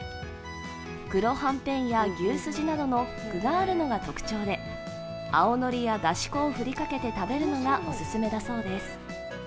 黒はんぺんや牛すじなどの具があるのが特徴で青のりやだし粉を振りかけて食べるのがオススメだそうです。